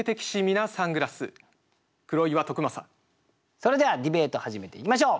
それではディベート始めていきましょう。